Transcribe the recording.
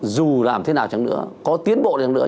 dù làm thế nào chẳng nữa có tiến bộ lên nữa